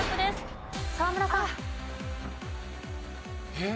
えっ？